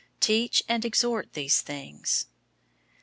Teach and exhort these things.